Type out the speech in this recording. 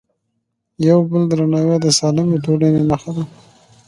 د یو بل درناوی د سالمې ټولنې نښه ده.